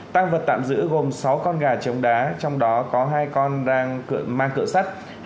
tăng vật tạm giữ gồm sáu con gà chống đá trong đó có hai con mang cỡ sắt